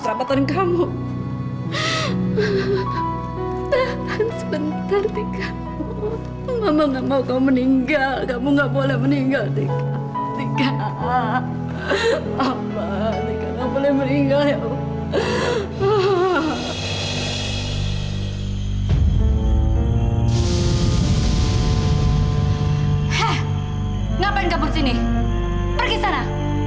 jangan kabur sini pergi ke sana